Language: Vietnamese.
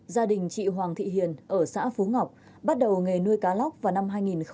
gia đình chị hoàng thị hiền ở xã phú ngọc bắt đầu nghề nuôi cá lóc vào năm hai nghìn một mươi